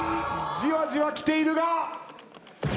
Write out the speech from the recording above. じわじわきているが。